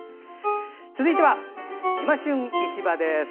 続いては「いま旬市場」です。